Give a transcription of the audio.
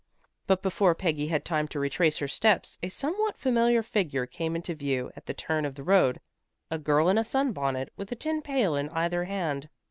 But before Peggy had time to retrace her steps, a somewhat familiar figure came into view at the turn of the road, a girl in a sunbonnet, with a tin pail in either hand.